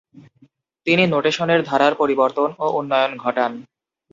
তিনি নোটেশনের ধারার পরিবর্তন ও উন্নয়ন ঘটান।